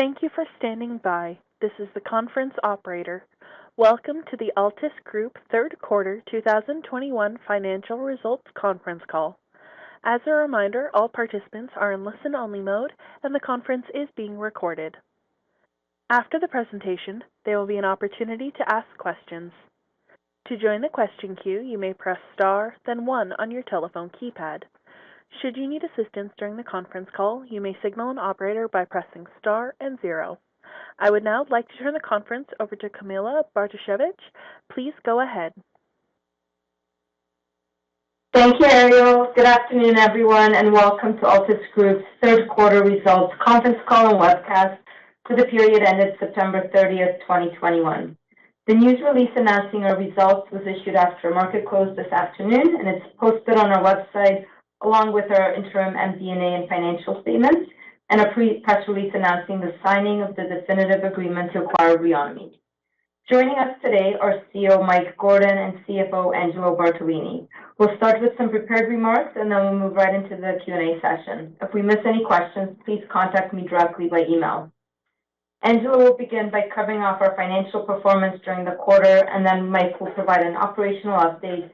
Thank you for standing by. This is the conference operator. Welcome to the Altus Group third quarter 2021 financial results conference call. As a reminder, all participants are in listen-only mode, and the conference is being recorded. After the presentation, there will be an opportunity to ask questions. To join the question queue, you may press Star, then one on your telephone keypad. Should you need assistance during the conference call, you may signal an operator by pressing star and zero. I would now like to turn the conference over to Camilla Bartosiewicz. Please go ahead. Thank you, Caitlin. Good afternoon, everyone, and welcome to Altus Group's third quarter results conference call and webcast for the period ended September 30th, 2021. The news release announcing our results was issued after market close this afternoon, and it's posted on our website along with our interim MD&A and financial statements and a press release announcing the signing of the definitive agreement to acquire Reonomy. Joining us today are CEO Mike Gordon and CFO Angelo Bartolini. We'll start with some prepared remarks, and then we'll move right into the Q&A session. If we miss any questions, please contact me directly by email. Angelo will begin by covering off our financial performance during the quarter, and then Mike will provide an operational update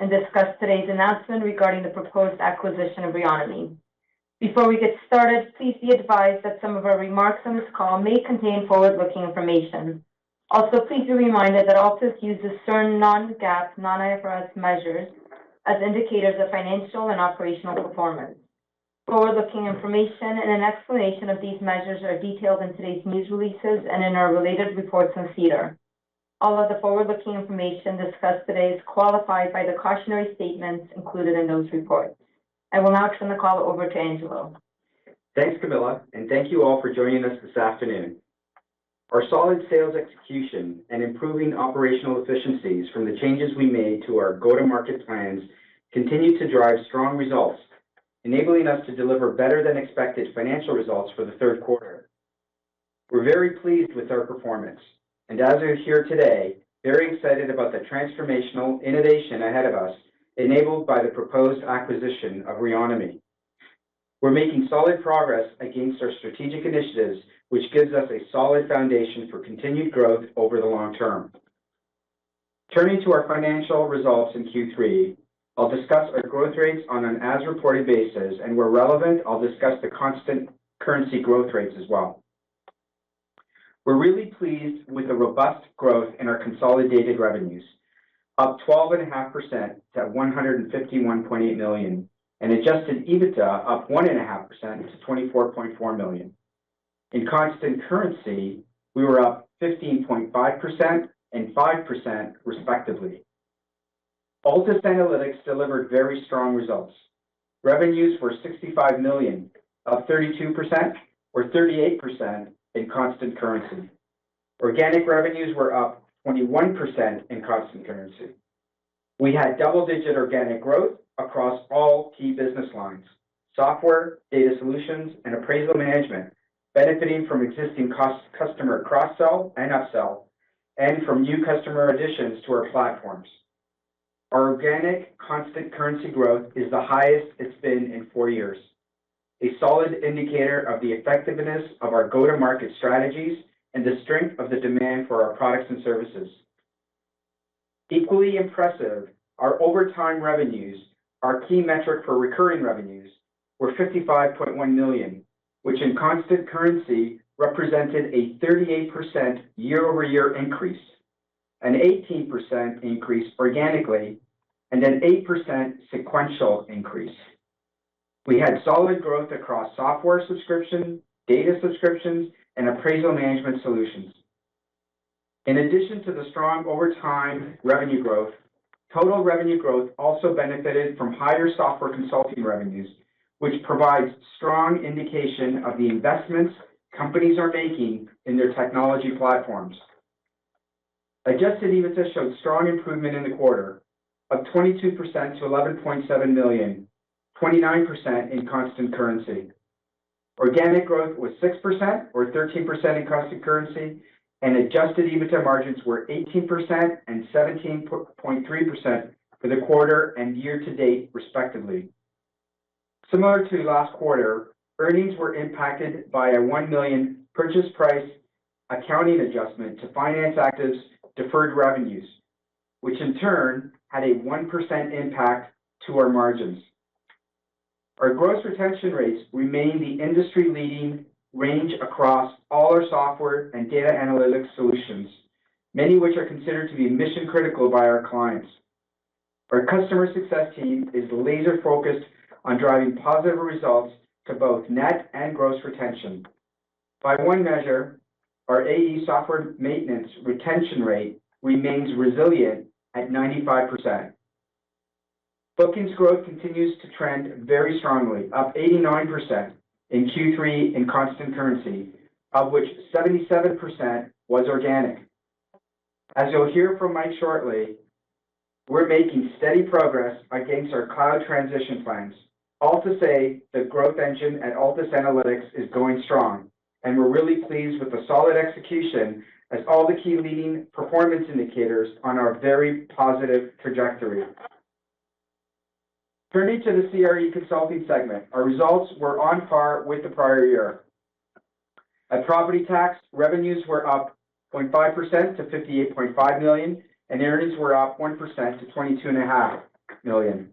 and discuss today's announcement regarding the proposed acquisition of Reonomy. Before we get started, please be advised that some of our remarks on this call may contain forward-looking information. Also, please be reminded that Altus uses certain non-GAAP, non-IFRS measures as indicators of financial and operational performance. Forward-looking information and an explanation of these measures are detailed in today's news releases and in our related reports on SEDAR. All of the forward-looking information discussed today is qualified by the cautionary statements included in those reports. I will now turn the call over to Angelo. Thanks, Camilla, and thank you all for joining us this afternoon. Our solid sales execution and improving operational efficiencies from the changes we made to our go-to-market plans continue to drive strong results, enabling us to deliver better-than-expected financial results for the third quarter. We're very pleased with our performance and as you'll hear today, very excited about the transformational innovation ahead of us enabled by the proposed acquisition of Reonomy. We're making solid progress against our strategic initiatives, which gives us a solid foundation for continued growth over the long term. Turning to our financial results in Q3, I'll discuss our growth rates on an as-reported basis, and where relevant, I'll discuss the constant currency growth rates as well. We're really pleased with the robust growth in our consolidated revenues, up 12.5% to 151.8 million, and adjusted EBITDA up 1.5% to 24.4 million. In constant currency, we were up 15.5% and 5% respectively. Altus Analytics delivered very strong results. Revenues were 65 million, up 32% or 38% in constant currency. Organic revenues were up 21% in constant currency. We had double-digit organic growth across all key business lines, software, data solutions, and appraisal management, benefiting from existing customer cross-sell and upsell and from new customer additions to our platforms. Our organic constant currency growth is the highest it's been in four years, a solid indicator of the effectiveness of our go-to-market strategies and the strength of the demand for our products and services. Equally impressive, our recurring revenues, our key metric for recurring revenues, were 55.1 million, which in constant currency represented a 38% year-over-year increase, an 18% increase organically, and an 8% sequential increase. We had solid growth across software subscription, data subscriptions, and appraisal management solutions. In addition to the strong recurring revenue growth, total revenue growth also benefited from higher software consulting revenues, which provides strong indication of the investments companies are making in their technology platforms. Adjusted EBITDA showed strong improvement in the quarter, up 22% to 11.7 million, 29% in constant currency. Organic growth was 6% or 13% in constant currency, and adjusted EBITDA margins were 18% and 17.3% for the quarter and year-to-date respectively. Similar to last quarter, earnings were impacted by a 1 million purchase price accounting adjustment to Finance Active deferred revenues, which in turn had a 1% impact to our margins. Our gross retention rates remain the industry-leading range across all our software and data analytics solutions, many which are considered to be mission-critical by our clients. Our customer success team is laser-focused on driving positive results to both net and gross retention. By one measure, our AE software maintenance retention rate remains resilient at 95%. Bookings growth continues to trend very strongly, up 89% in Q3 in constant currency, of which 77% was organic. As you'll hear from Mike shortly, we're making steady progress against our cloud transition plans. All to say the growth engine at Altus Analytics is going strong, and we're really pleased with the solid execution as all the key leading performance indicators on our very positive trajectory. Turning to the CRE Consulting segment, our results were on par with the prior year. At Property Tax, revenues were up 0.5% to 58.5 million, and earnings were up 1% to 22.5 million.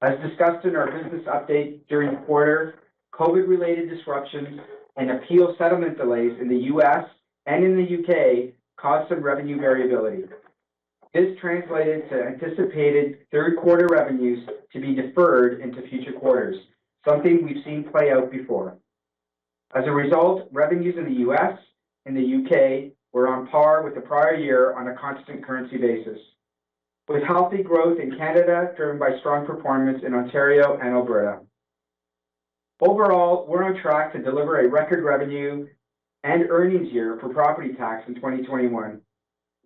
As discussed in our business update during the quarter, COVID-related disruptions and appeal settlement delays in the U.S. and in the U.K. caused some revenue variability. This translated to anticipated third quarter revenues to be deferred into future quarters, something we've seen play out before. As a result, revenues in the U.S. and the U.K. were on par with the prior year on a constant currency basis, with healthy growth in Canada driven by strong performance in Ontario and Alberta. Overall, we're on track to deliver a record revenue and earnings year for Property Tax in 2021.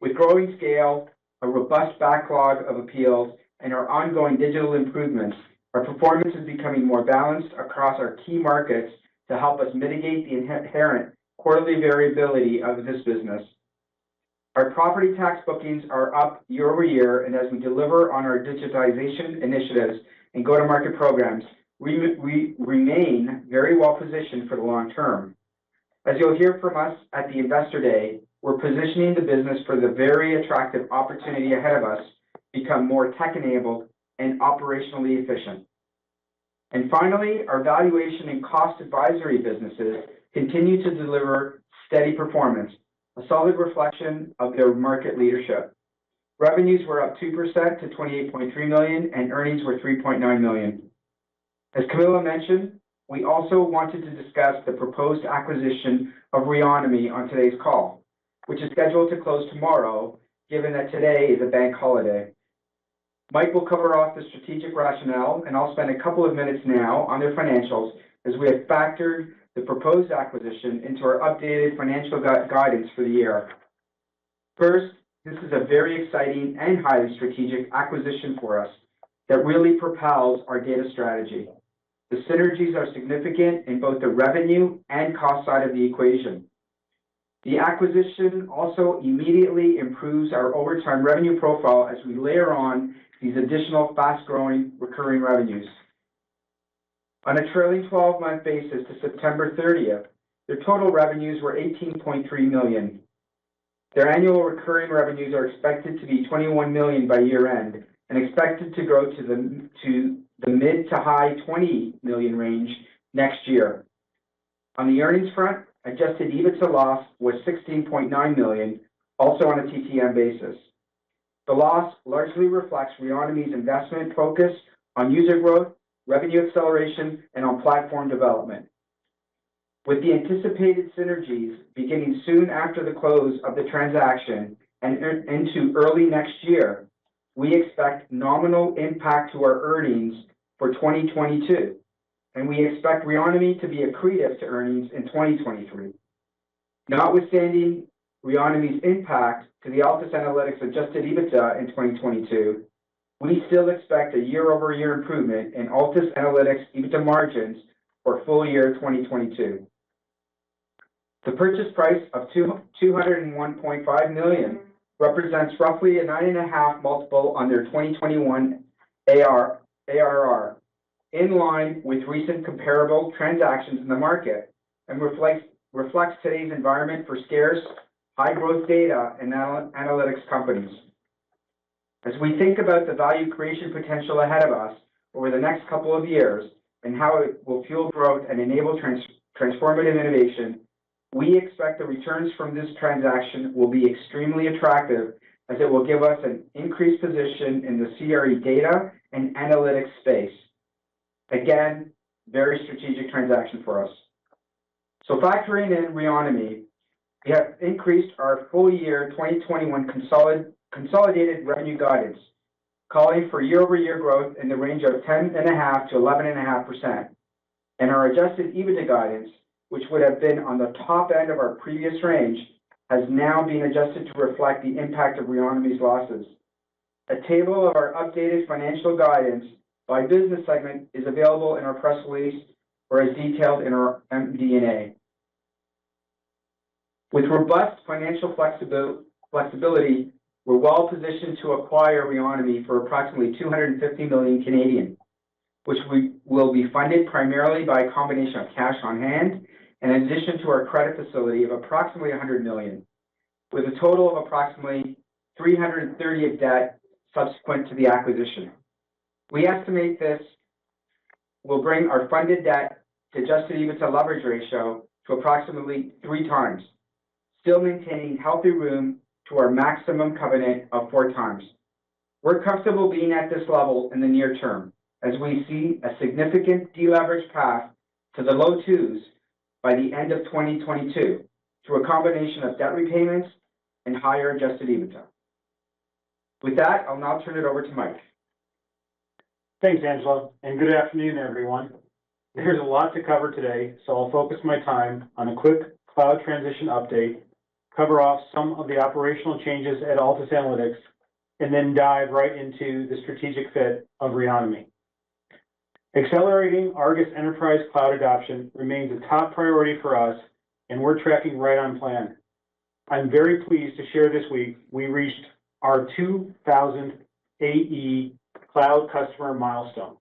With growing scale, a robust backlog of appeals, and our ongoing digital improvements, our performance is becoming more balanced across our key markets to help us mitigate the inherent quarterly variability of this business. Our Property Tax bookings are up year-over-year, and as we deliver on our digitization initiatives and go-to-market programs, we remain very well positioned for the long term. As you'll hear from us at the Investor Day, we're positioning the business for the very attractive opportunity ahead of us to become more tech-enabled and operationally efficient. Finally, our valuation and cost advisory businesses continue to deliver steady performance, a solid reflection of their market leadership. Revenues were up 2% to 28.3 million, and earnings were 3.9 million. As Camilla mentioned, we also wanted to discuss the proposed acquisition of Reonomy on today's call, which is scheduled to close tomorrow, given that today is a bank holiday. Mike will cover off the strategic rationale, and I'll spend a couple of minutes now on their financials, as we have factored the proposed acquisition into our updated financial guidance for the year. First, this is a very exciting and highly strategic acquisition for us that really propels our data strategy. The synergies are significant in both the revenue and cost side of the equation. The acquisition also immediately improves our overall revenue profile as we layer on these additional fast-growing recurring revenues. On a trailing twelve-month basis to September 30th, their total revenues were $18.3 million. Their annual recurring revenues are expected to be $21 million by year-end and expected to grow to the mid- to high-$20 million range next year. On the earnings front, adjusted EBITDA loss was $16.9 million, also on a TTM basis. The loss largely reflects Reonomy's investment focus on user growth, revenue acceleration, and on platform development. With the anticipated synergies beginning soon after the close of the transaction and into early next year, we expect nominal impact to our earnings for 2022, and we expect Reonomy to be accretive to earnings in 2023. Notwithstanding Reonomy's impact to the Altus Analytics adjusted EBITDA in 2022, we still expect a year-over-year improvement in Altus Analytics EBITDA margins for full year 2022. The purchase price of $201.5 million represents roughly a 9.5x multiple on their 2021 ARR, in line with recent comparable transactions in the market and reflects today's environment for scarce high-growth data and analytics companies. As we think about the value creation potential ahead of us over the next couple of years and how it will fuel growth and enable transformative innovation, we expect the returns from this transaction will be extremely attractive as it will give us an increased position in the CRE data and analytics space. Again, very strategic transaction for us. Factoring in Reonomy, we have increased our full year 2021 consolidated revenue guidance, calling for year-over-year growth in the range of 10.5%-11.5%. Our adjusted EBITDA guidance, which would have been on the top end of our previous range, has now been adjusted to reflect the impact of Reonomy's losses. A table of our updated financial guidance by business segment is available in our press release or as detailed in our MD&A. With robust financial flexibility, we're well positioned to acquire Reonomy for approximately 250 million, which we will be funded primarily by a combination of cash on hand and in addition to our credit facility of approximately 100 million, with a total of approximately 330 million of debt subsequent to the acquisition. We estimate this will bring our funded debt to adjusted EBITDA leverage ratio to approximately three times, still maintaining healthy room to our maximum covenant of four times. We're comfortable being at this level in the near term as we see a significant deleverage path to the low 2s by the end of 2022 through a combination of debt repayments and higher adjusted EBITDA. With that, I'll now turn it over to Mike. Thanks, Angelo, and good afternoon, everyone. There's a lot to cover today, so I'll focus my time on a quick cloud transition update, cover off some of the operational changes at Altus Analytics, and then dive right into the strategic fit of Reonomy. Accelerating ARGUS Enterprise cloud adoption remains a top priority for us, and we're tracking right on plan. I'm very pleased to share this week we reached our 2000 AE cloud customer milestone.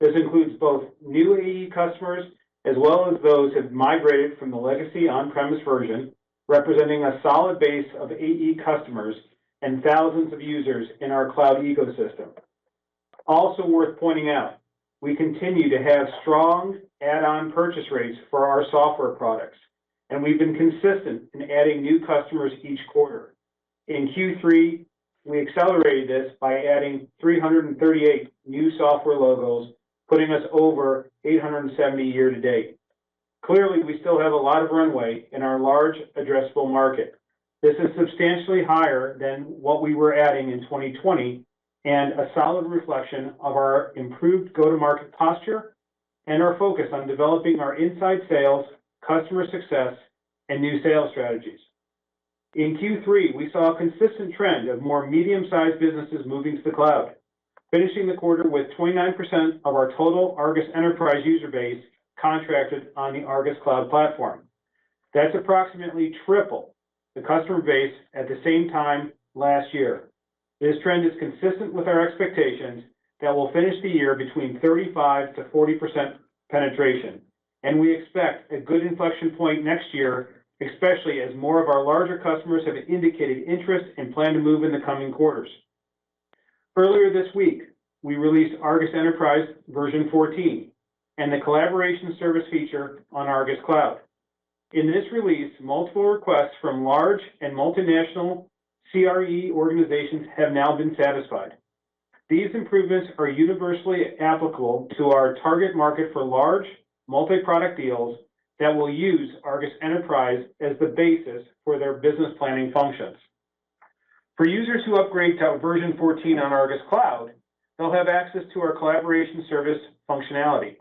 This includes both new AE customers as well as those who have migrated from the legacy on-premise version, representing a solid base of AE customers and thousands of users in our cloud ecosystem. Also worth pointing out, we continue to have strong add-on purchase rates for our software products, and we've been consistent in adding new customers each quarter. In Q3, we accelerated this by adding 338 new software logos, putting us over 870 year to date. Clearly, we still have a lot of runway in our large addressable market. This is substantially higher than what we were adding in 2020 and a solid reflection of our improved go-to-market posture and our focus on developing our inside sales, customer success, and new sales strategies. In Q3, we saw a consistent trend of more medium-sized businesses moving to the cloud, finishing the quarter with 29% of our total ARGUS Enterprise user base contracted on the ARGUS Cloud platform. That's approximately triple the customer base at the same time last year. This trend is consistent with our expectations that we'll finish the year between 35%-40% penetration, and we expect a good inflection point next year, especially as more of our larger customers have indicated interest and plan to move in the coming quarters. Earlier this week, we released ARGUS Enterprise version 14 and the collaboration service feature on ARGUS Cloud. In this release, multiple requests from large and multinational CRE organizations have now been satisfied. These improvements are universally applicable to our target market for large multi-product deals that will use ARGUS Enterprise as the basis for their business planning functions. For users who upgrade to version 14 on ARGUS Cloud, they'll have access to our collaboration service functionality.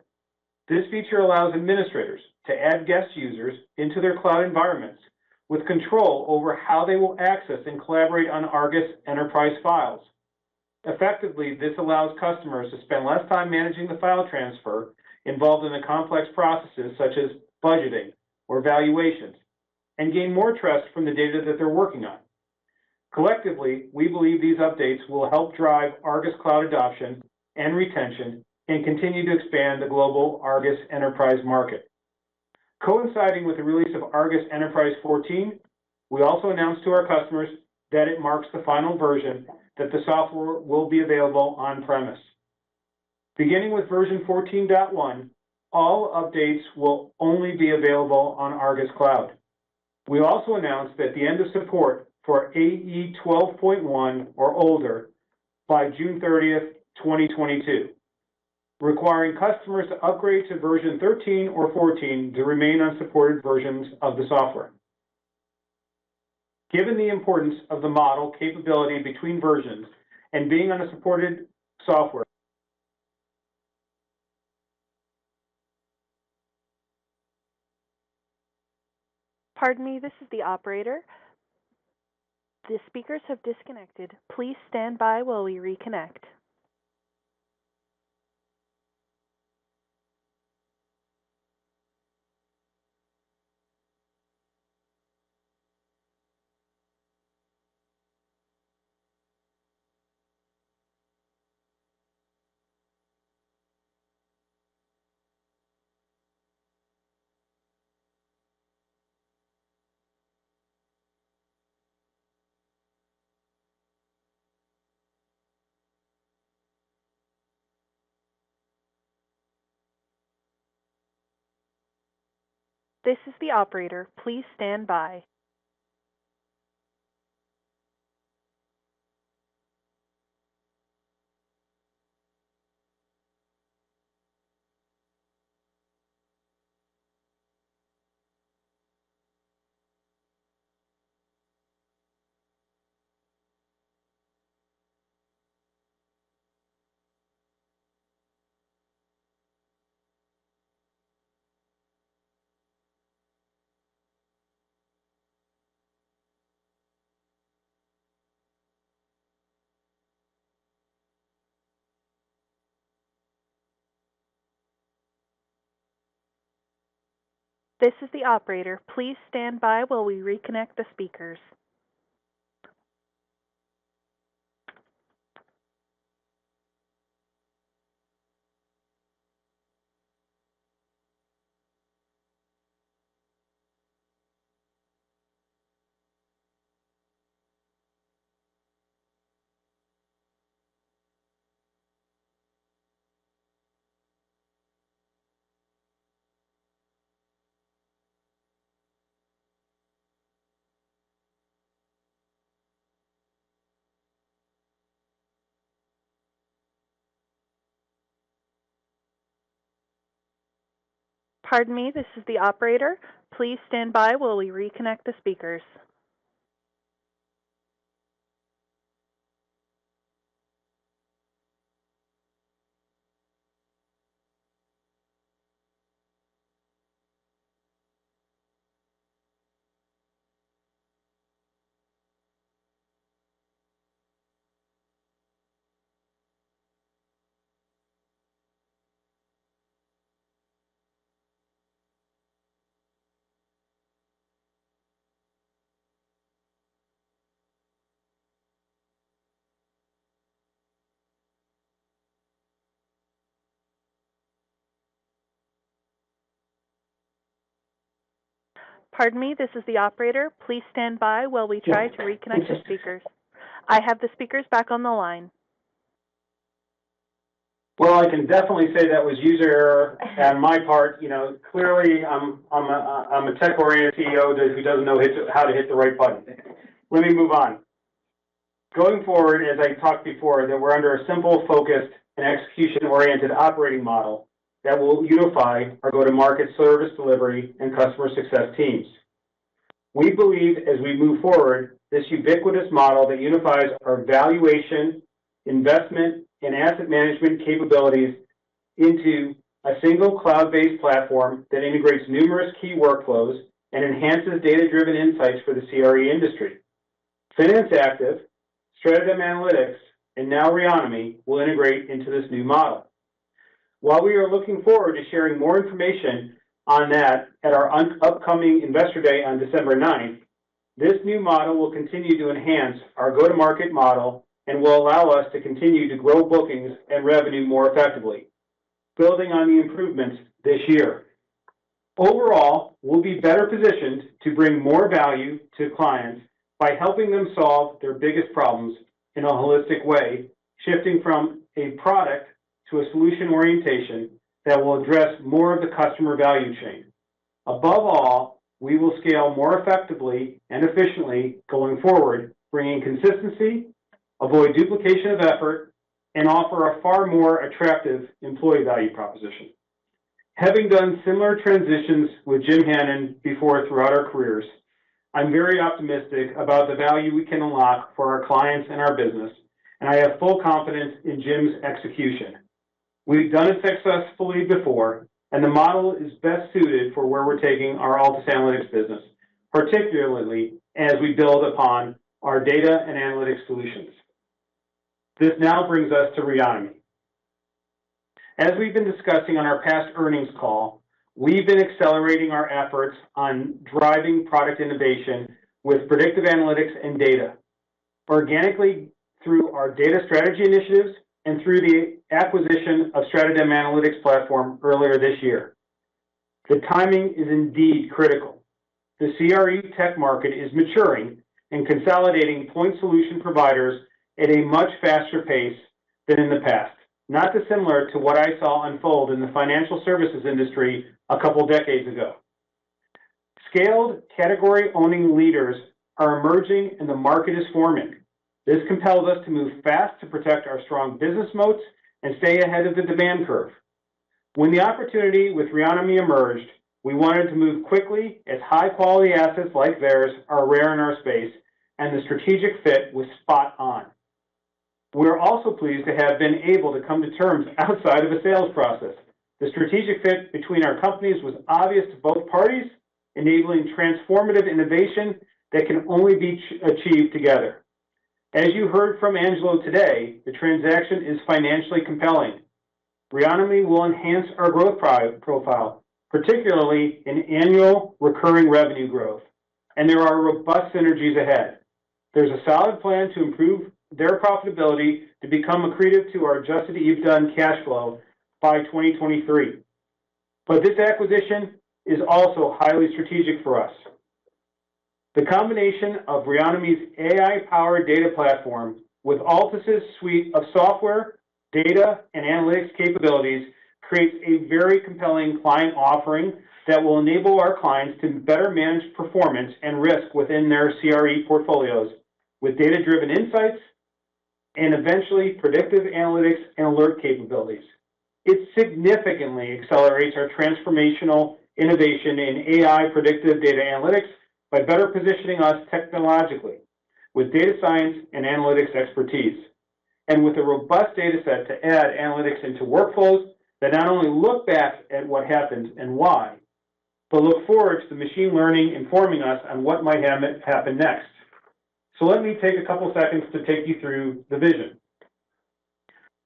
This feature allows administrators to add guest users into their cloud environments with control over how they will access and collaborate on ARGUS Enterprise files. Effectively, this allows customers to spend less time managing the file transfer involved in the complex processes such as budgeting or valuations, and gain more trust from the data that they're working on. Collectively, we believe these updates will help drive ARGUS Cloud adoption and retention and continue to expand the global ARGUS Enterprise market. Coinciding with the release of ARGUS Enterprise 14, we also announced to our customers that it marks the final version that the software will be available on-premise. Beginning with version 14.1, all updates will only be available on ARGUS Cloud. We also announced that the end of support for AE 12.1 or older by June 30th, 2022, requiring customers to upgrade to version 13 or 14 to remain on supported versions of the software. Given the importance of the model capability between versions and being on a supported software. Pardon me, this is the operator. The speakers have disconnected. Please stand by while we reconnect. This is the operator. Please stand by. This is the operator. Please stand by while we reconnect the speakers. Pardon me, this is the operator. Please stand by while we reconnect the speakers. Pardon me, this is the operator. Please stand by while we try to reconnect the speakers. I have the speakers back on the line. Well, I can definitely say that was user error on my part. You know, clearly, I'm a tech-oriented CEO who doesn't know how to hit the right button. Let me move on. Going forward, as I talked before, that we're under a simple, focused, and execution-oriented operating model that will unify our go-to-market service delivery and customer success teams. We believe as we move forward, this ubiquitous model that unifies our valuation, investment, and asset management capabilities into a single cloud-based platform that integrates numerous key workflows and enhances data-driven insights for the CRE industry. Finance Active, StratoDem Analytics, and now Reonomy will integrate into this new model. While we are looking forward to sharing more information on that at our upcoming Investor Day on December 9th, this new model will continue to enhance our go-to-market model and will allow us to continue to grow bookings and revenue more effectively, building on the improvements this year. Overall, we'll be better positioned to bring more value to clients by helping them solve their biggest problems in a holistic way, shifting from a product to a solution orientation that will address more of the customer value chain. Above all, we will scale more effectively and efficiently going forward, bringing consistency, avoid duplication of effort, and offer a far more attractive employee value proposition. Having done similar transitions with Jim Hannon before throughout our careers, I'm very optimistic about the value we can unlock for our clients and our business, and I have full confidence in Jim's execution. We've done it successfully before, and the model is best suited for where we're taking our Altus Analytics business, particularly as we build upon our data and analytics solutions. This now brings us to Reonomy. As we've been discussing on our past earnings call, we've been accelerating our efforts on driving product innovation with predictive analytics and data, organically through our data strategy initiatives and through the acquisition of StratoDem Analytics platform earlier this year. The timing is indeed critical. The CRE tech market is maturing and consolidating point solution providers at a much faster pace than in the past, not dissimilar to what I saw unfold in the financial services industry a couple of decades ago. Scaled category-owning leaders are emerging, and the market is forming. This compels us to move fast to protect our strong business moats and stay ahead of the demand curve. When the opportunity with Reonomy emerged, we wanted to move quickly as high-quality assets like theirs are rare in our space, and the strategic fit was spot on. We're also pleased to have been able to come to terms outside of the sales process. The strategic fit between our companies was obvious to both parties, enabling transformative innovation that can only be achieved together. As you heard from Angelo today, the transaction is financially compelling. Reonomy will enhance our growth profile, particularly in annual recurring revenue growth, and there are robust synergies ahead. There's a solid plan to improve their profitability to become accretive to our adjusted EBITDA and cash flow by 2023. This acquisition is also highly strategic for us. The combination of Reonomy's AI-powered data platform with Altus' suite of software, data, and analytics capabilities creates a very compelling client offering that will enable our clients to better manage performance and risk within their CRE portfolios with data-driven insights and eventually predictive analytics and alert capabilities. It significantly accelerates our transformational innovation in AI predictive data analytics by better positioning us technologically with data science and analytics expertise, and with a robust data set to add analytics into workflows that not only look back at what happened and why, but look forward to the machine learning informing us on what might happen next. Let me take a couple seconds to take you through the vision.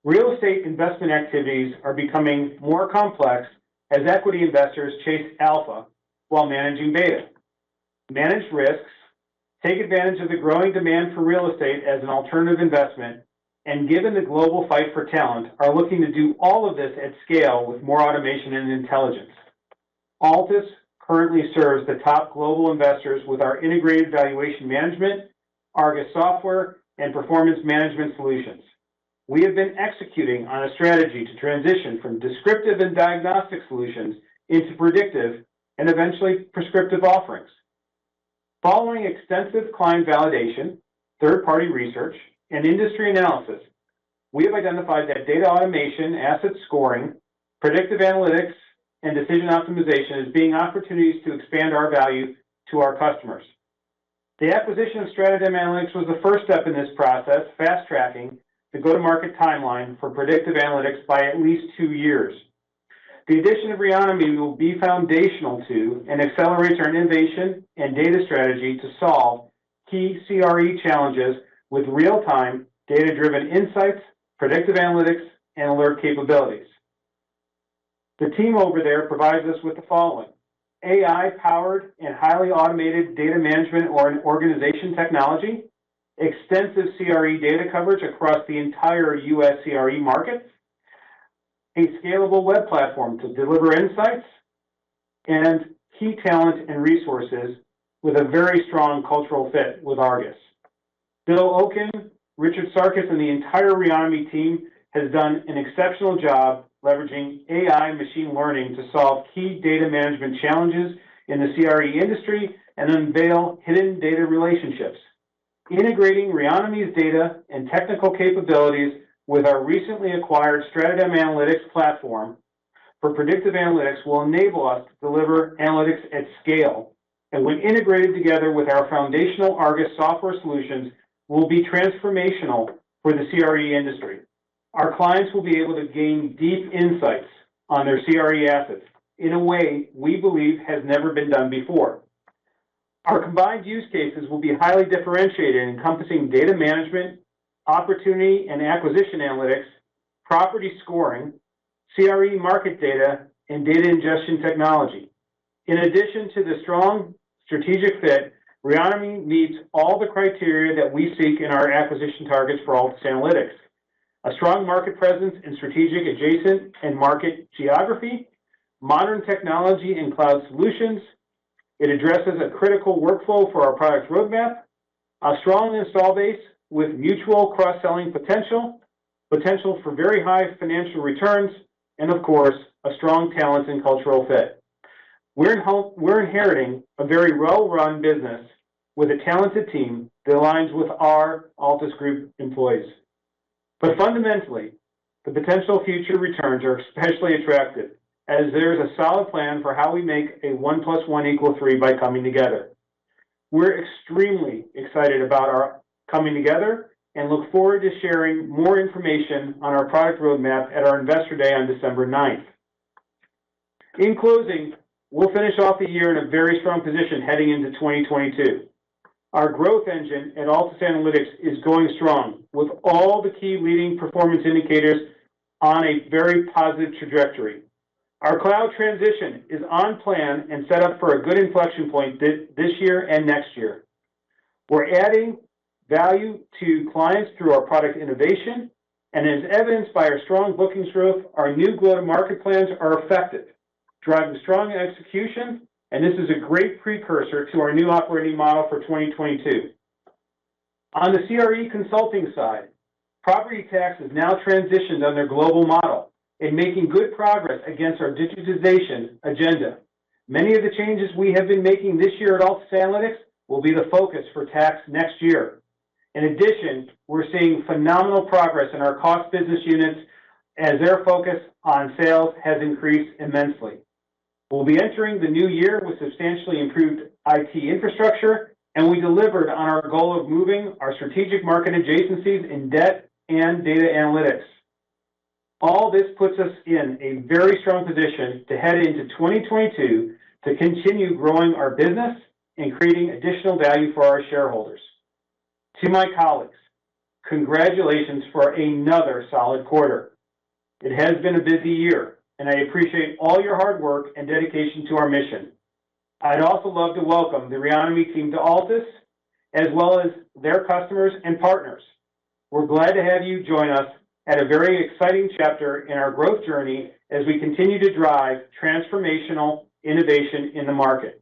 Real estate investment activities are becoming more complex as equity investors chase alpha while managing beta. Manage risks, take advantage of the growing demand for real estate as an alternative investment, and given the global fight for talent, are looking to do all of this at scale with more automation and intelligence. Altus currently serves the top global investors with our integrated valuation management, ARGUS software, and performance management solutions. We have been executing on a strategy to transition from descriptive and diagnostic solutions into predictive and eventually prescriptive offerings. Following extensive client validation, third-party research, and industry analysis, we have identified that data automation, asset scoring, predictive analytics, and decision optimization as being opportunities to expand our value to our customers. The acquisition of StratoDem Analytics was the first step in this process, fast-tracking the go-to-market timeline for predictive analytics by at least two years. The addition of Reonomy will be foundational to and accelerates our innovation and data strategy to solve key CRE challenges with real-time data-driven insights, predictive analytics, and alert capabilities. The team over there provides us with AI-powered and highly automated data management and organizational technology, extensive CRE data coverage across the entire U.S. CRE market, a scalable web platform to deliver insights, and key talent and resources with a very strong cultural fit with ARGUS. Bill Okun, Richard Sarkis, and the entire Reonomy team has done an exceptional job leveraging AI and machine learning to solve key data management challenges in the CRE industry and unveil hidden data relationships. Integrating Reonomy's data and technical capabilities with our recently acquired StratoDem Analytics platform for predictive analytics will enable us to deliver analytics at scale. When integrated together with our foundational ARGUS software solutions, will be transformational for the CRE industry. Our clients will be able to gain deep insights on their CRE assets in a way we believe has never been done before. Our combined use cases will be highly differentiated, encompassing data management, opportunity and acquisition analytics, property scoring, CRE market data, and data ingestion technology. In addition to the strong strategic fit, Reonomy meets all the criteria that we seek in our acquisition targets for Altus Analytics. A strong market presence in strategic adjacent and market geography, modern technology and cloud solutions. It addresses a critical workflow for our product roadmap. A strong install base with mutual cross-selling potential. Potential for very high financial returns, and of course, a strong talent and cultural fit. We're inheriting a very well-run business with a talented team that aligns with our Altus Group employees. Fundamentally, the potential future returns are especially attractive as there is a solid plan for how we make a 1 + 1 = 3 by coming together. We're extremely excited about our coming together and look forward to sharing more information on our product roadmap at our Investor Day on December 9th. In closing, we'll finish off the year in a very strong position heading into 2022. Our growth engine at Altus Analytics is going strong with all the key leading performance indicators on a very positive trajectory. Our cloud transition is on plan and set up for a good inflection point this year and next year. We're adding value to clients through our product innovation. As evidenced by our strong bookings growth, our new go-to-market plans are effective, driving strong execution, and this is a great precursor to our new operating model for 2022. On the CRE consulting side, Property Tax has now transitioned on their global model and making good progress against our digitization agenda. Many of the changes we have been making this year at Altus Analytics will be the focus for Tax next year. In addition, we're seeing phenomenal progress in our core business units as their focus on sales has increased immensely. We'll be entering the new year with substantially improved IT infrastructure, and we delivered on our goal of moving our strategic market adjacencies in debt and data analytics. All this puts us in a very strong position to head into 2022 to continue growing our business and creating additional value for our shareholders. To my colleagues, congratulations for another solid quarter. It has been a busy year, and I appreciate all your hard work and dedication to our mission. I'd also love to welcome the Reonomy team to Altus, as well as their customers and partners. We're glad to have you join us at a very exciting chapter in our growth journey as we continue to drive transformational innovation in the market.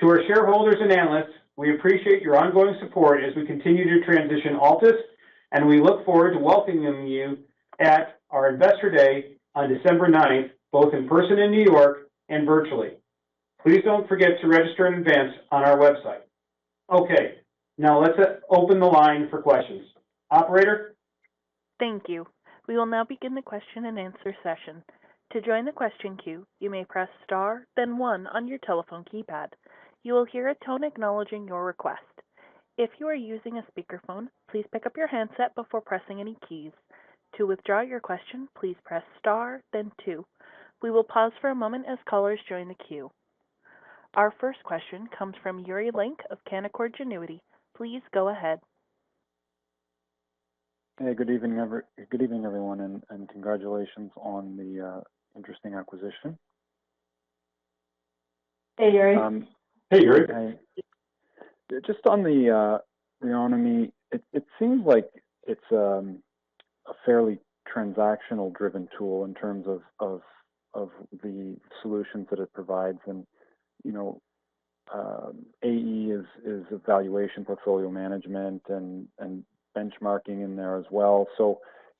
To our shareholders and analysts, we appreciate your ongoing support as we continue to transition Altus, and we look forward to welcoming you at our Investor Day on December 9th, both in person in New York and virtually. Please don't forget to register in advance on our website. Okay. Now let's open the line for questions. Operator? Thank you. We will now begin the question and answer session. To join the question queue, you may press star, then one on your telephone keypad. You will hear a tone acknowledging your request. If you are using a speakerphone, please pick up your handset before pressing any keys. To withdraw your question, please press star, then two. We will pause for a moment as callers join the queue. Our first question comes from Yuri Lynk of Canaccord Genuity. Please go ahead. Hey, good evening, everyone, and congratulations on the interesting acquisition. Hey, Yuri. Um. Hey, Yuri. Hi. Just on the Reonomy, it seems like it's a fairly transactional-driven tool in terms of the solutions that it provides. AE is valuation portfolio management and benchmarking in there as well.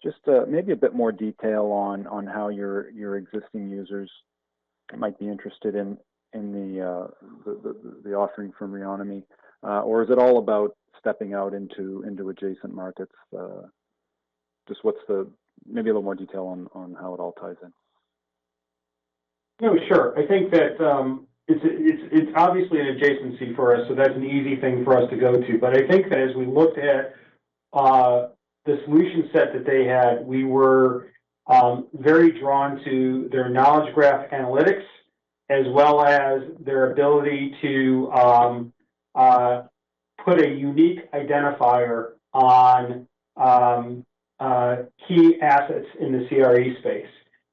Just to maybe a bit more detail on how your existing users might be interested in the offering from Reonomy. Is it all about stepping out into adjacent markets? Just what's the. Maybe a little more detail on how it all ties in. No, sure. I think that, it's obviously an adjacency for us, so that's an easy thing for us to go to. I think that as we looked at the solution set that they had, we were very drawn to their knowledge graph analytics as well as their ability to put a unique identifier on key assets in the CRE space.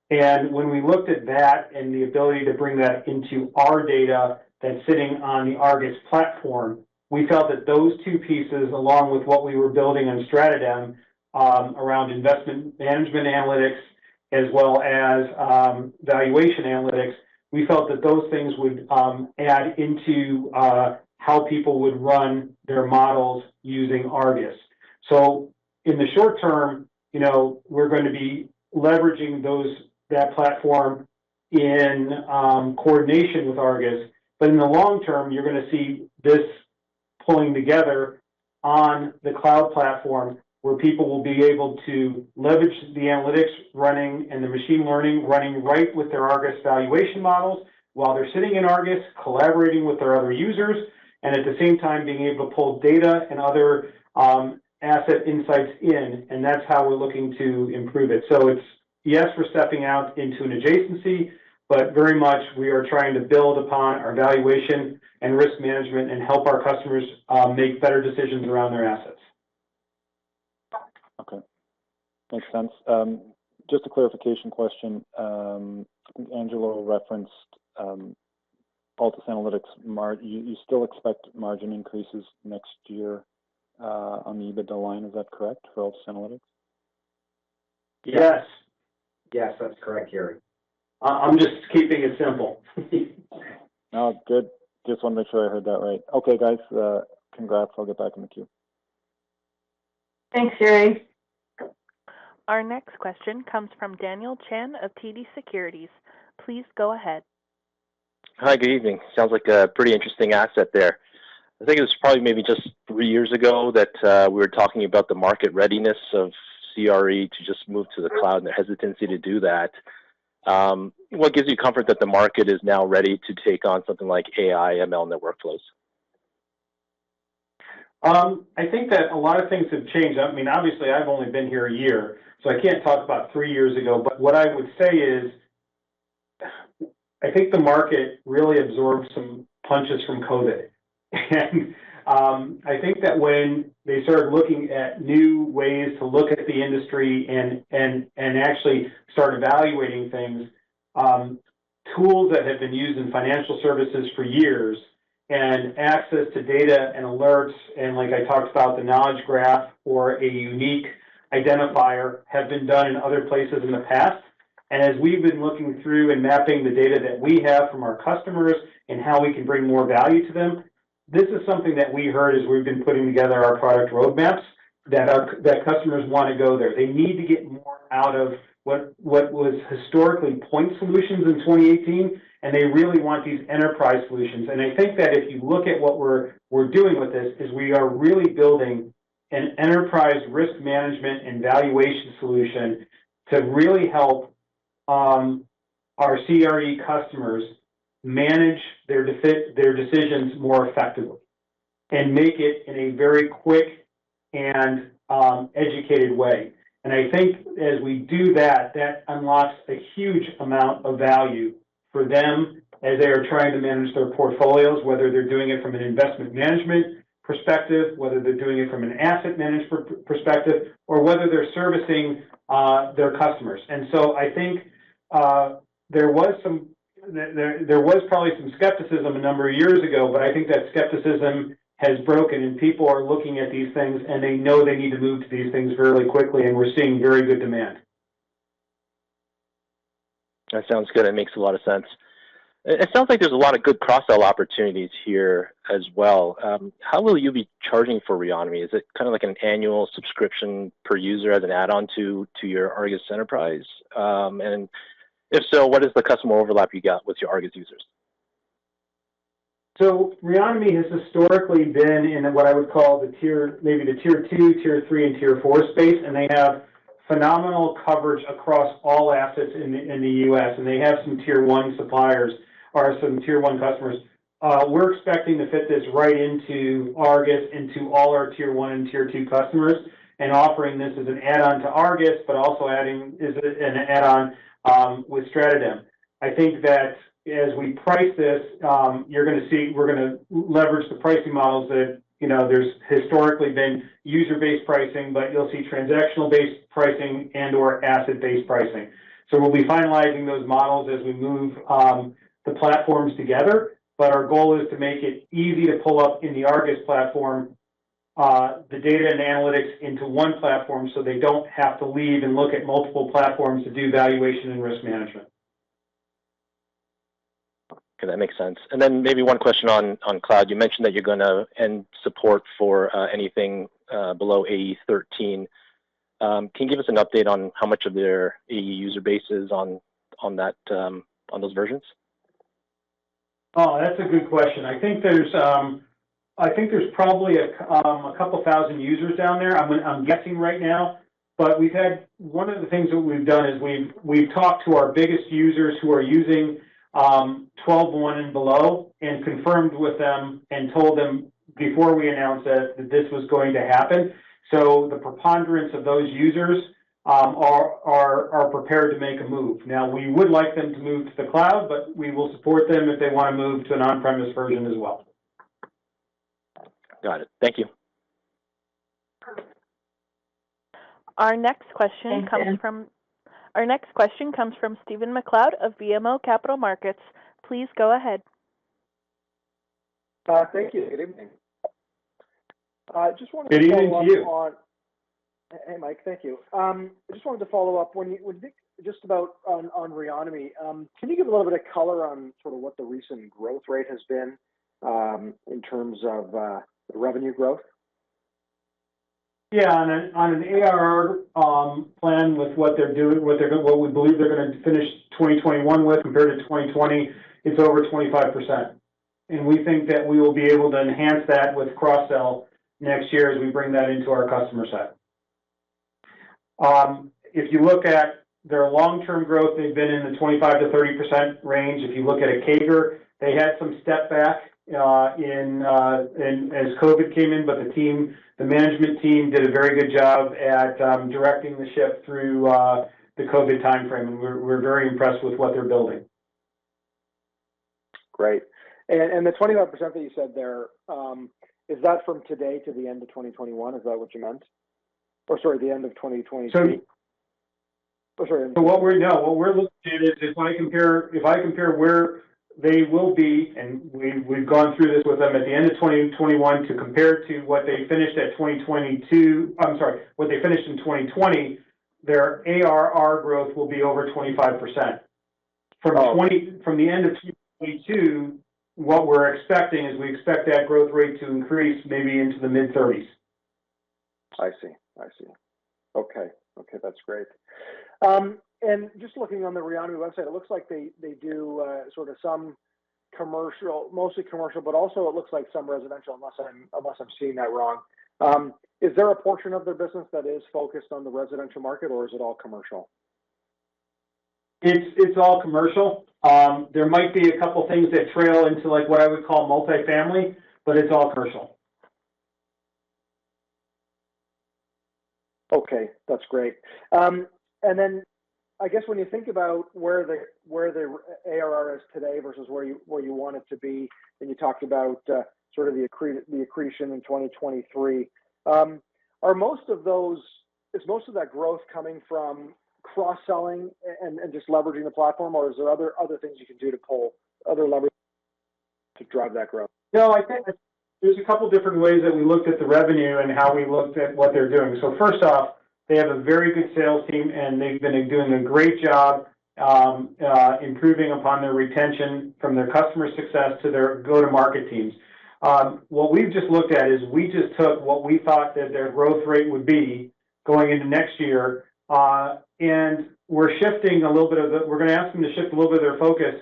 When we looked at that and the ability to bring that into our data that's sitting on the ARGUS platform, we felt that those two pieces, along with what we were building on StratoDem, around investment management analytics as well as valuation analytics, we felt that those things would add into how people would run their models using ARGUS. In the short term, you know, we're going to be leveraging that platform in coordination with ARGUS. In the long term, you're gonna see this pulling together on the cloud platform, where people will be able to leverage the analytics running and the machine learning running right with their ARGUS valuation models while they're sitting in ARGUS, collaborating with their other users, and at the same time being able to pull data and other asset insights in, and that's how we're looking to improve it. It's yes, we're stepping out into an adjacency, but very much we are trying to build upon our valuation and risk management and help our customers make better decisions around their assets. Okay. Makes sense. Just a clarification question. I think Angelo referenced Altus Analytics. You still expect margin increases next year on the EBITDA line. Is that correct for Altus Analytics? Yes. Yes, that's correct, Yuri Lynk. I'm just keeping it simple. No, good. Just wanted to make sure I heard that right. Okay, guys, congrats. I'll get back in the queue. Thanks, Yuri. Our next question comes from Daniel Chan of TD Securities. Please go ahead. Hi. Good evening. Sounds like a pretty interesting asset there. I think it was probably maybe just three years ago that we were talking about the market readiness of CRE to just move to the cloud and the hesitancy to do that. What gives you comfort that the market is now ready to take on something like AI, ML networks? I think that a lot of things have changed. I mean, obviously, I've only been here a year, so I can't talk about three years ago. What I would say is, I think the market really absorbed some punches from COVID. I think that when they started looking at new ways to look at the industry and actually start evaluating things, tools that have been used in financial services for years and access to data and alerts, and like I talked about, the knowledge graph or a unique identifier, have been done in other places in the past. As we've been looking through and mapping the data that we have from our customers and how we can bring more value to them, this is something that we heard as we've been putting together our product roadmaps that our customers wanna go there. They need to get more out of what was historically point solutions in 2018, and they really want these enterprise solutions. I think that if you look at what we're doing with this, is we are really building an enterprise risk management and valuation solution to really help our CRE customers manage their decisions more effectively and make it in a very quick and educated way. I think as we do that unlocks a huge amount of value for them as they are trying to manage their portfolios, whether they're doing it from an investment management perspective, whether they're doing it from an asset management perspective, or whether they're servicing their customers. I think there was probably some skepticism a number of years ago, but I think that skepticism has broken, and people are looking at these things, and they know they need to move to these things really quickly, and we're seeing very good demand. That sounds good. That makes a lot of sense. It sounds like there's a lot of good cross-sell opportunities here as well. How will you be charging for Reonomy? Is it kinda like an annual subscription per user as an add-on to your ARGUS Enterprise? If so, what is the customer overlap you got with your ARGUS users? Reonomy has historically been in what I would call the tier two, tier three, and tier four space, and they have phenomenal coverage across all assets in the U.S., and they have some tier one suppliers or some tier one customers. We're expecting to fit this right into ARGUS, into all our tier one and tier two customers, and offering this as an add-on to ARGUS, but also adding as an add-on with StratoDem. I think that as we price this, you're gonna see we're gonna leverage the pricing models that, you know, there's historically been user-based pricing, but you'll see transactional-based pricing and/or asset-based pricing. We'll be finalizing those models as we move the platforms together. Our goal is to make it easy to pull up in the ARGUS platform, the data and analytics into one platform, so they don't have to leave and look at multiple platforms to do valuation and risk management. Okay. That makes sense. Then maybe one question on cloud. You mentioned that you're gonna end support for anything below AE 13. Can you give us an update on how much of their AE user base is on those versions? Oh, that's a good question. I think there's, I think there's probably a couple thousand users down there. I'm guessing right now. We've had one of the things that we've done is we've talked to our biggest users who are using 12.1 and below and confirmed with them and told them before we announced that this was going to happen. The preponderance of those users are prepared to make a move. Now, we would like them to move to the cloud, but we will support them if they wanna move to an on-premise version as well. Got it. Thank you. Perfect. Our next question comes from. Thank you. Our next question comes from Stephen MacLeod of BMO Capital Markets. Please go ahead. Thank you. Good evening. I just wanted to follow up on Good evening to you. Hey, Mike. Thank you. I just wanted to follow up with Nick just about on Reonomy. Can you give a little bit of color on sort of what the recent growth rate has been in terms of the revenue growth? Yeah. On an ARR plan with what we believe they're gonna finish 2021 with compared to 2020, it's over 25%. We think that we will be able to enhance that with cross-sell next year as we bring that into our customer set. If you look at their long-term growth, they've been in the 25%-30% range. If you look at a CAGR, they had some step back as COVID came in, but the team, the management team did a very good job at directing the ship through the COVID timeframe. We're very impressed with what they're building. Great. The 25% that you said there, is that from today to the end of 2021? Is that what you meant? Or sorry, the end of 2023. So. Oh, sorry. What we're looking at is when I compare where they will be, and we've gone through this with them at the end of 2021 to compare to what they finished at 2022. I'm sorry, what they finished in 2020, their ARR growth will be over 25%. Oh. From the end of 2022, what we're expecting is we expect that growth rate to increase maybe into the mid-30s. I see. Okay, that's great. Just looking on the Reonomy website, it looks like they do sort of some commercial, mostly commercial, but also it looks like some residential, unless I'm seeing that wrong. Is there a portion of their business that is focused on the residential market, or is it all commercial? It's all commercial. There might be a couple things that trail into like what I would call multi-family, but it's all commercial. Okay, that's great. I guess when you think about where the ARR is today versus where you want it to be, and you talked about sort of the accretion in 2023, is most of that growth coming from cross-selling and just leveraging the platform, or is there other things you can do to pull other levers to drive that growth? No, I think that there's a couple different ways that we looked at the revenue and how we looked at what they're doing. First off, they have a very good sales team, and they've been doing a great job, improving upon their retention from their customer success to their go-to-market teams. What we've just looked at is we just took what we thought that their growth rate would be going into next year, and we're gonna ask them to shift a little bit of their focus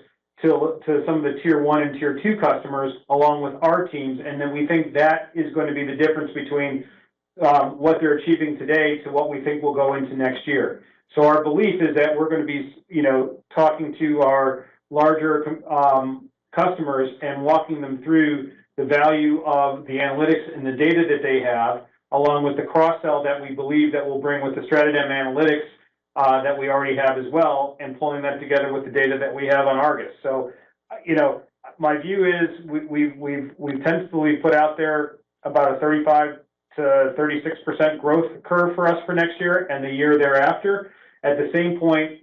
to some of the tier one and tier two customers along with our teams. Then we think that is gonna be the difference between what they're achieving today to what we think will go into next year. Our belief is that we're gonna be you know, talking to our larger customers and walking them through the value of the analytics and the data that they have, along with the cross-sell that we believe that we'll bring with the StratoDem Analytics that we already have as well, and pulling that together with the data that we have on ARGUS. You know, my view is we've tentatively put out there about a 35%-36% growth curve for us for next year and the year thereafter. At the same point,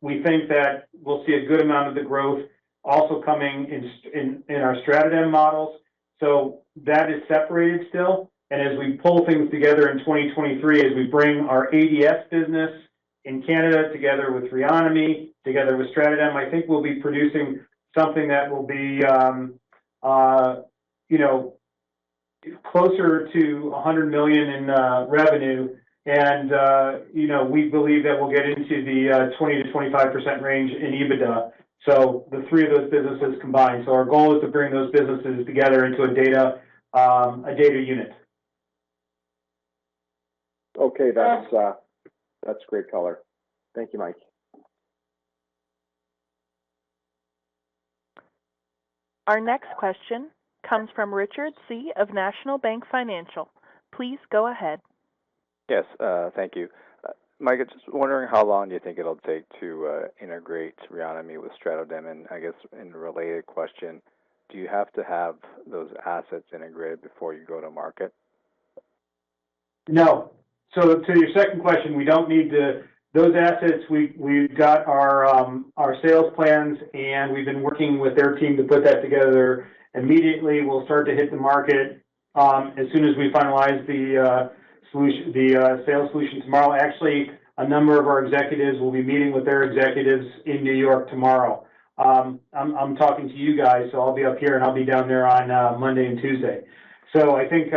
we think that we'll see a good amount of the growth also coming in our StratoDem models. That is separated still. As we pull things together in 2023, as we bring our ADS business in Canada together with Reonomy, together with StratoDem, I think we'll be producing something that will be, you know, closer to 100 million in revenue. We believe that we'll get into the 20%-25% range in EBITDA, the three of those businesses combined. Our goal is to bring those businesses together into a data unit. Okay. That's great color. Thank you, Mike. Our next question comes from Richard Tse of National Bank Financial. Please go ahead. Yes. Thank you. Mike, I'm just wondering how long you think it'll take to integrate Reonomy with StratoDem. I guess in a related question, do you have to have those assets integrated before you go to market? No. To your second question, we don't need to. Those assets, we've got our sales plans, and we've been working with their team to put that together. Immediately, we'll start to hit the market as soon as we finalize the sales solution tomorrow. Actually, a number of our executives will be meeting with their executives in New York tomorrow. I'm talking to you guys, so I'll be up here, and I'll be down there on Monday and Tuesday. I think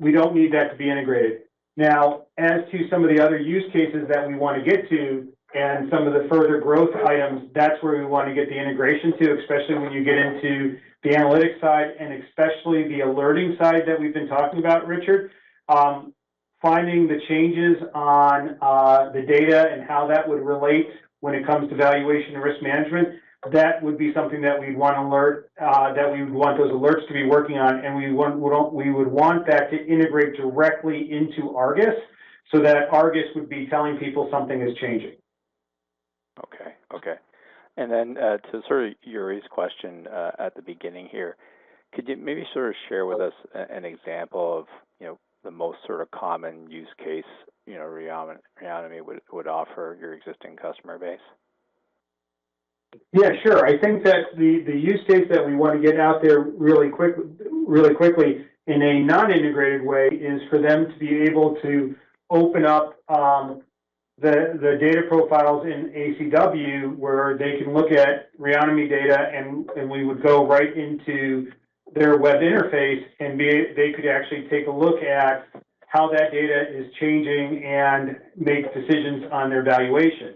we don't need that to be integrated. Now, as to some of the other use cases that we wanna get to and some of the further growth items, that's where we wanna get the integration to, especially when you get into the analytics side, and especially the alerting side that we've been talking about, Richard. Finding the changes on the data and how that would relate when it comes to valuation and risk management, that would be something that we would want those alerts to be working on, and we would want that to integrate directly into ARGUS so that ARGUS would be telling people something is changing. Then, to sort of Yuri's question, at the beginning here, could you maybe sort of share with us an example of, you know, the most sort of common use case, you know, Reonomy would offer your existing customer base? Yeah, sure. I think that the use case that we wanna get out there really quickly in a non-integrated way is for them to be able to open up the data profiles in ACW, where they can look at Reonomy data, and we would go right into their web interface, and they could actually take a look at how that data is changing and make decisions on their valuation.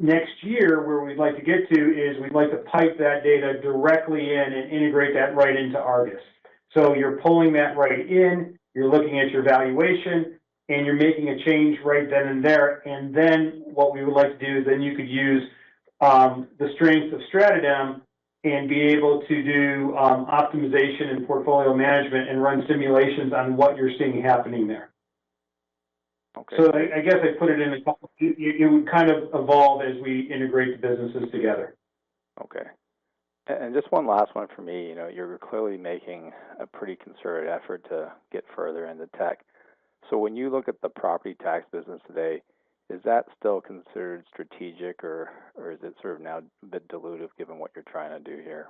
Next year, where we'd like to get to is, we'd like to pipe that data directly in and integrate that right into ARGUS. You're pulling that right in, you're looking at your valuation, and you're making a change right then and there. What we would like to do is then you could use the strength of StratoDem and be able to do optimization and portfolio management and run simulations on what you're seeing happening there. Okay. I guess I'd put it in. It would kind of evolve as we integrate the businesses together. Okay. Just one last one for me. You know, you're clearly making a pretty concerted effort to get further into tech. When you look at the Property Tax business today, is that still considered strategic or is it sort of now a bit dilutive given what you're trying to do here?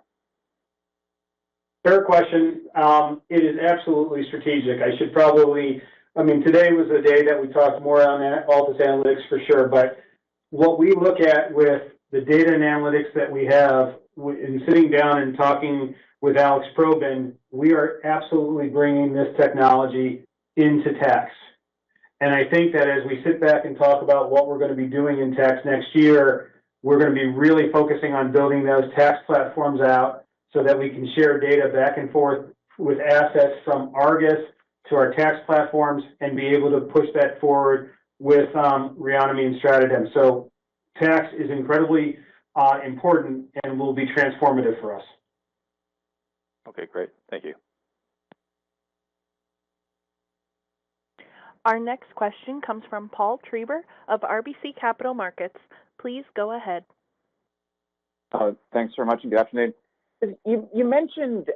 Fair question. It is absolutely strategic. I should probably I mean, today was a day that we talked more on Altus Analytics for sure. What we look at with the data and analytics that we have within sitting down and talking with Alex Probyn, we are absolutely bringing this technology into tax. I think that as we sit back and talk about what we're gonna be doing in tax next year, we're gonna be really focusing on building those tax platforms out so that we can share data back and forth with assets from Argus to our tax platforms and be able to push that forward with Reonomy and StratoDem. Tax is incredibly important and will be transformative for us. Okay, great. Thank you. Our next question comes from Paul Treiber of RBC Capital Markets. Please go ahead. Thanks so much, and good afternoon. You mentioned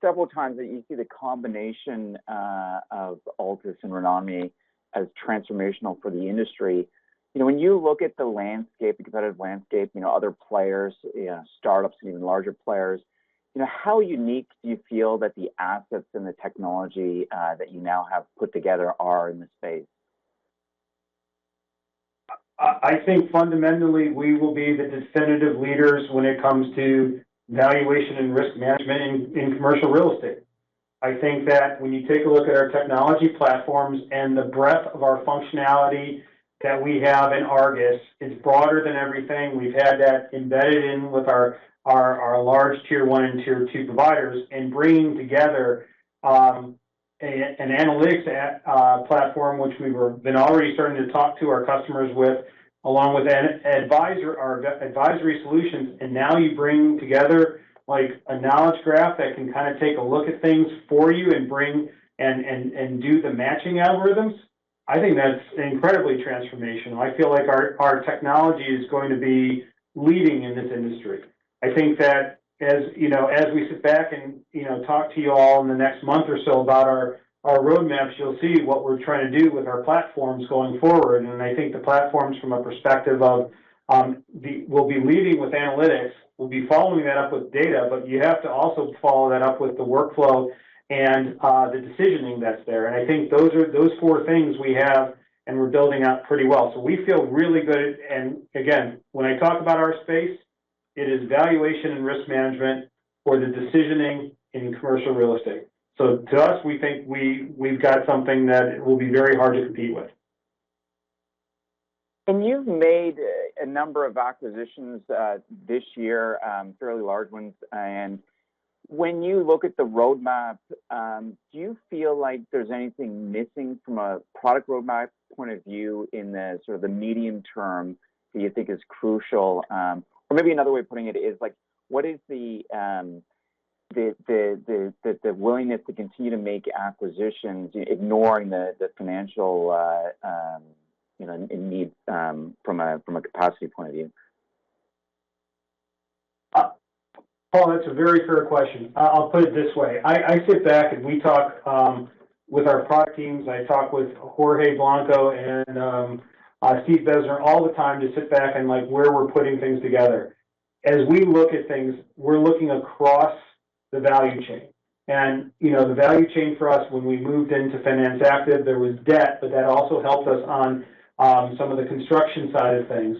several times that you see the combination of Altus and Reonomy as transformational for the industry. You know, when you look at the landscape, the competitive landscape, you know, other players, you know, startups and even larger players, you know, how unique do you feel that the assets and the technology that you now have put together are in this space? I think fundamentally, we will be the definitive leaders when it comes to valuation and risk management in commercial real estate. I think that when you take a look at our technology platforms and the breadth of our functionality that we have in ARGUS, it's broader than everything. We've had that embedded in with our large tier one and tier two providers and bringing together an analytics platform which we've been already starting to talk to our customers with, along with our advisory solutions. Now you bring together like a knowledge graph that can kinda take a look at things for you and bring and do the matching algorithms. I think that's incredibly transformational. I feel like our technology is going to be leading in this industry. I think that as, you know, as we sit back and, you know, talk to you all in the next month or so about our roadmaps, you'll see what we're trying to do with our platforms going forward. I think the platforms from a perspective of we'll be leading with analytics, we'll be following that up with data, but you have to also follow that up with the workflow and the decisioning that's there. I think those four things we have and we're building out pretty well. We feel really good. Again, when I talk about our space, it is valuation and risk management or the decisioning in commercial real estate. To us, we think we've got something that will be very hard to compete with. You've made a number of acquisitions this year, fairly large ones. When you look at the roadmap, do you feel like there's anything missing from a product roadmap point of view in the sort of the medium term that you think is crucial? Or maybe another way of putting it is like, what is the willingness to continue to make acquisitions, ignoring the financial, you know, needs, from a capacity point of view? Paul, that's a very fair question. I'll put it this way. I sit back and we talk with our product teams. I talk with Jorge Blanco and Steve Bezner all the time to sit back and like where we're putting things together. As we look at things, we're looking across the value chain. You know, the value chain for us when we moved into Finance Active, there was debt, but that also helped us on some of the construction side of things.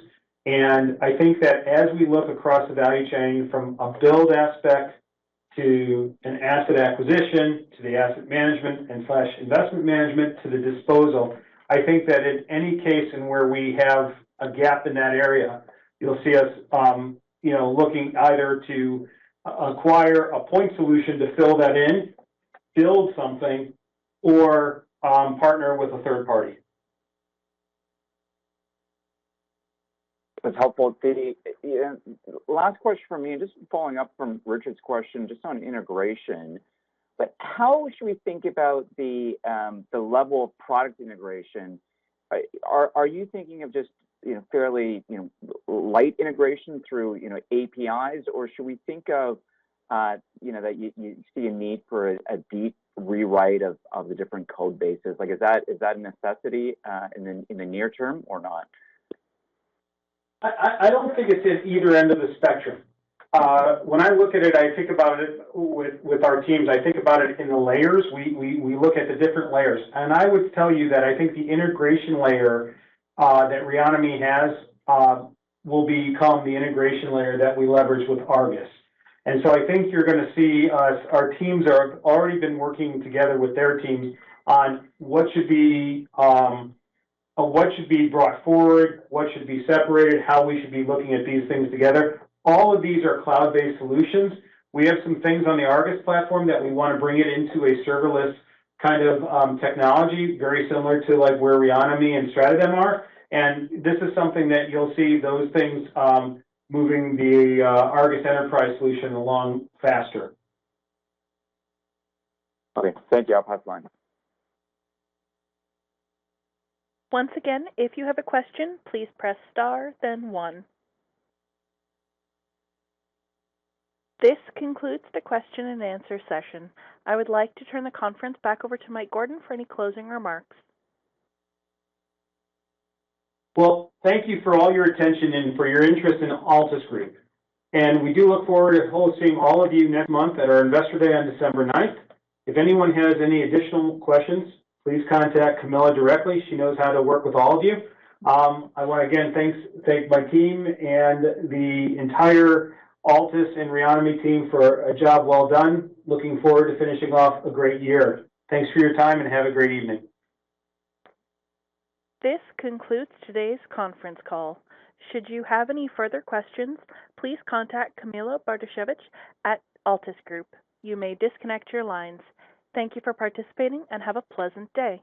I think that as we look across the value chain from a build aspect to an asset acquisition, to the asset management and slash investment management, to the disposal, I think that in any case in where we have a gap in that area, you'll see us, you know, looking either to acquire a point solution to fill that in, build something, or partner with a third party. That's helpful. The last question from me, just following up from Richard's question, just on integration. How should we think about the level of product integration? Are you thinking of just, you know, fairly, you know, light integration through, you know, APIs? Or should we think of that you see a need for a deep rewrite of the different code bases? Like, is that a necessity in the near term or not? I don't think it's at either end of the spectrum. When I look at it, I think about it with our teams. I think about it in the layers. We look at the different layers. I would tell you that I think the integration layer that Reonomy has will become the integration layer that we leverage with ARGUS. I think you're gonna see our teams have already been working together with their teams on what should be brought forward, what should be separated, how we should be looking at these things together. All of these are cloud-based solutions. We have some things on the ARGUS platform that we wanna bring it into a serverless kind of technology, very similar to like where Reonomy and StratoDem are. This is something that you'll see those things moving the ARGUS Enterprise solution along faster. Okay. Thank you. I'll pause the line. Once again, if you have a question, please press star then one. This concludes the question and answer session. I would like to turn the conference back over to Mike Gordon for any closing remarks. Well, thank you for all your attention and for your interest in Altus Group. We do look forward to hosting all of you next month at our Investor Day on December 9th. If anyone has any additional questions, please contact Camilla directly. She knows how to work with all of you. I wanna again thank my team and the entire Altus and Reonomy team for a job well done. Looking forward to finishing off a great year. Thanks for your time, and have a great evening. This concludes today's conference call. Should you have any further questions, please contact Camilla Bartosiewicz at Altus Group. You may disconnect your lines. Thank you for participating, and have a pleasant day.